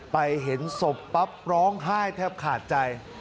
เห็นศพปั๊บร้องไห้แทบขาดใจ